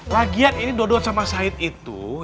lagian ini dodot sama said itu